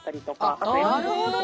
あっなるほどね。